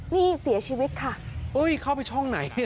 นี่เสียชีวิตค่ะเอ้ยเข้าไปช่องไหน